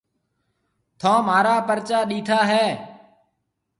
ٿون مھارا پرچا ڏيٺا ھيََََ۔